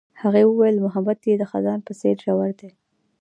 هغې وویل محبت یې د خزان په څېر ژور دی.